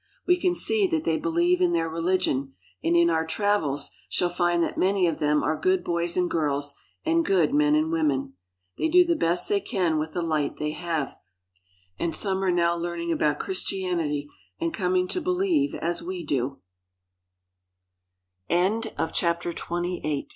We can see that they believe in their religion, and in our travels shall find that many of them are good boys and girls and good men and women. They do the best they can with the light they have, and some are now learning about Christianity and coming t